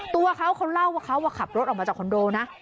ตัวเขาเขาเล่าว่าเขาขับรถออกมาจากคอนโดนะ